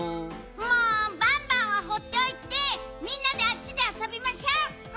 もうバンバンはほっておいてみんなであっちであそびましょう！